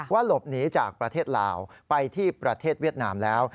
หลบหนีจากประเทศลาวไปที่ประเทศเวียดนามแล้ว